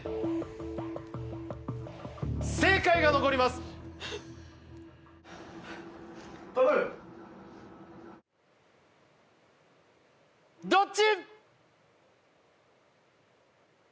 正解が残りますどっち？